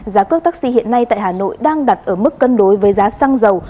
giá cước taxi hiện nay tại hà nội đang đặt ở mức cân đối với giá xăng dầu